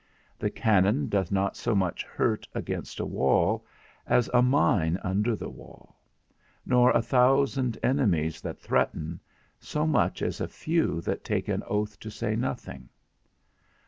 The cannon doth not so much hurt against a wall, as a mine under the wall; nor a thousand enemies that threaten, so much as a few that take an oath to say nothing.